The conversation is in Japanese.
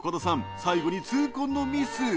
最後に痛恨のミス。